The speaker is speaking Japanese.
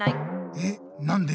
えなんで？